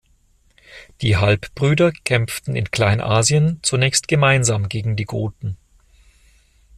Die Halbbrüder kämpften in Kleinasien zunächst gemeinsam gegen die Goten.